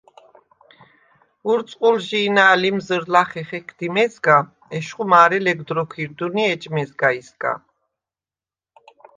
ურწყულჟი̄ნა̈ ლიმზჷრ ლახე ხექდი მეზგა, ეშხუ მა̄რე ლეგდ როქვ ირდვნი ეჯ მეზგაისგა.